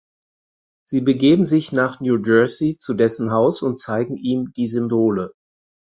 Sie begeben sich nach New Jersey zu dessen Haus und zeigen ihm die Symbole.